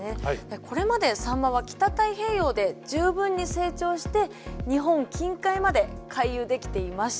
これまでサンマは北太平洋で十分に成長して日本近海まで回遊できていました。